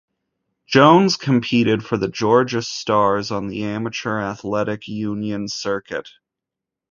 Jones competed for the Georgia Stars on the Amateur Athletic Union circuit.